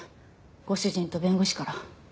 ご主人と弁護士から。